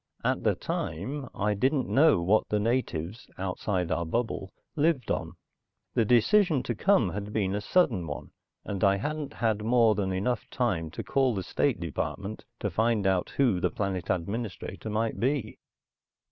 At the time, I didn't know what the natives, outside our bubble, lived on. The decision to come had been a sudden one, and I hadn't had more than enough time to call the State Department to find out who the planet administrator might be.